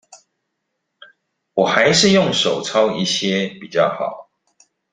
我還是用手抄一些比較好